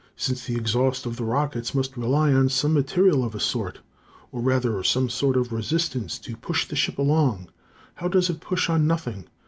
Since the exhaust of the rockets must rely on some material of a sort, or rather some sort of resistance to push the ship along, how does it push on nothing?